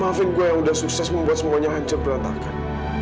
maafin gue yang udah sukses membuat semuanya hancur berantakan